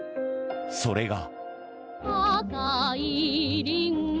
それが。